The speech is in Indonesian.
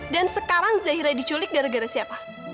dan sekarang zahira diculik gara gara siapa